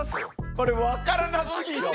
これ分からなすぎて。